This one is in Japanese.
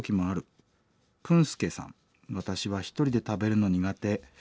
ぷん助さん「私は一人で食べるの苦手」。